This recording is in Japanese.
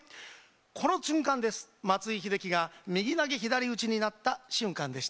この瞬間です、松井秀喜が右投げ左打ちになった瞬間でした。